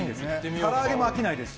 唐揚げも飽きないですし。